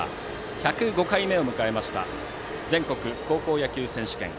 １０５回目を迎えました全国高校野球選手権。